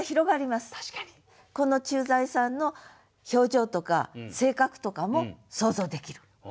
この駐在さんの表情とか性格とかも想像できる。